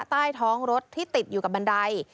ใต้ท้องรถที่ติดอยู่กับบันได